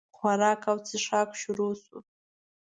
خوراک او چښاک شروع شو.